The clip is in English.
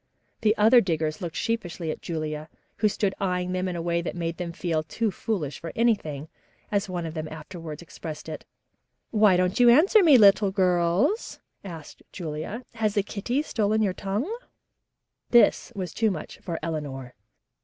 The other diggers looked sheepishly at Julia, who stood eyeing them in a way that made them feel "too foolish for anything," as one of them afterwards expressed it. "Why don't you answer me, little girls?" asked Julia. "Has the kitty stolen your tongue?" This was too much for Eleanor.